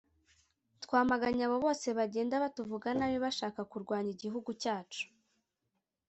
Twamaganye abo bose bagenda batuvuga nabi bashaka kurwanya igihugu cyacu